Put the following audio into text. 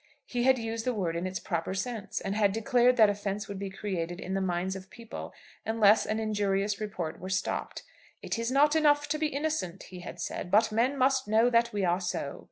He had used the word in its proper sense, and had declared that offence would be created in the minds of people unless an injurious report were stopped. "It is not enough to be innocent," he had said, "but men must know that we are so."